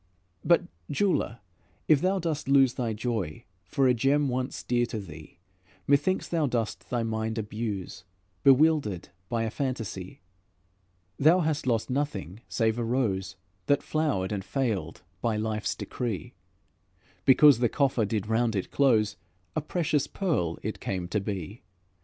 "But, Jeweler, if thou dost lose Thy joy for a gem once dear to thee, Methinks thou dost thy mind abuse, Bewildered by a fantasy; Thou hast lost nothing save a rose That flowered and failed by life's decree: Because the coffer did round it close, A precious pearl it came to be.